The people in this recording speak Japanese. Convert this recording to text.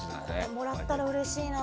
もらったらうれしいな。